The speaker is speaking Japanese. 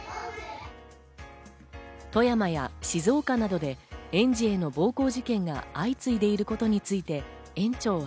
富山や静岡などで園児への暴行事件が相次いでいることについて、園長は。